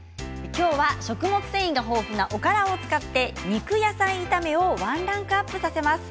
きょうは食物繊維が豊富なおからを使って肉野菜炒めを、ワンランクアップさせます。